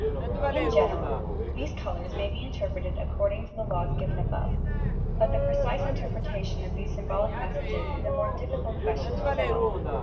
In general : these colours may be interpreted accord ing to the laws given above, but the precise interpreta tion of these symbolic messages is a more difficult ques tion to settle.